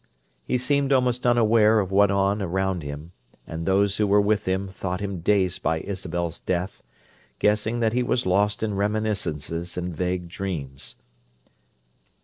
He seemed almost unaware of what went on around him, and those who were with him thought him dazed by Isabel's death, guessing that he was lost in reminiscences and vague dreams.